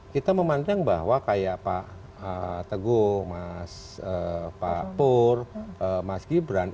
kita memandang bahwa kayak pak teguh mas pak pur mas gibran